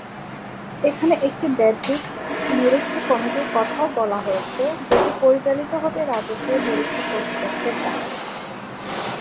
এখানে একটি বাহ্যিক নিরীক্ষা কমিটির কথাও বলা হয়েছে যেটি পরিচালিত হবে রাজকীয় নিরীক্ষা কর্তৃপক্ষের দ্বারা।